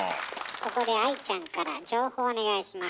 ここで愛ちゃんから情報をお願いします。